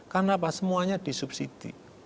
karena apa semuanya disubsidi